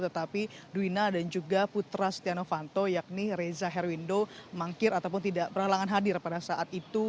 tetapi dwi na dan juga putra siti novanto yakni reza herwindo mangkir ataupun tidak peralangan hadir pada saat itu